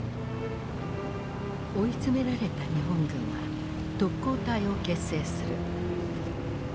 追い詰められた日本軍は特攻隊を結成する。